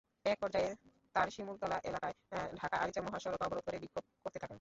একপর্যায়ে তাঁরা শিমুলতলা এলাকায় ঢাকা-আরিচা মহাসড়ক অবরোধ করে বিক্ষোভ করতে থাকেন।